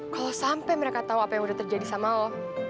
kalau sampai mereka tau apa yang udah terjadi sama lo